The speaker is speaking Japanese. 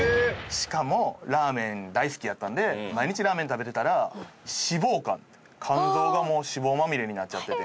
しかもラーメン大好きやったんで毎日ラーメン食べてたら脂肪肝って肝臓がもう脂肪まみれになっちゃってて。